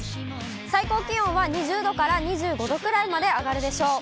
最高気温は２０度から２５度くらいまで上がるでしょう。